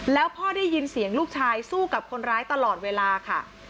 แล้วพ่อได้ยินเสียงลูกชายสู้กับคนร้ายตลอดเวลาค่ะ